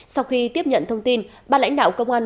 xin chào các bạn